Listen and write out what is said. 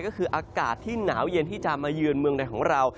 ก็คืออากาศที่หนาวเย็นที่จะมาเยือนเมืองในของเรา